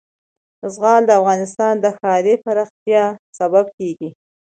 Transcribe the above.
زغال د افغانستان د ښاري پراختیا سبب کېږي.